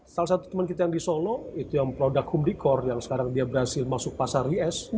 salah satu teman kita yang di solo itu yang produk homedicor yang sekarang dia berhasil masuk pasar us